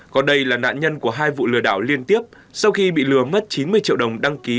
còn đây là nạn nhân của hai vụ lừa đảo liên tiếp sau khi bị lừa mất chín mươi triệu đồng đăng ký